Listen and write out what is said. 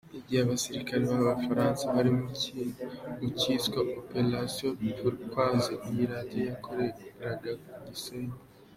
Igihe abasirikare b’Abafaransa bari mu cyiswe “ Opération Turquoise” iyi Radio yakoreraga ku Gisenyi.